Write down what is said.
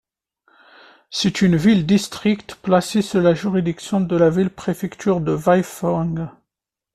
C'est une ville-district placée sous la juridiction de la ville-préfecture de Weifang.